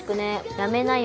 「やめなよ」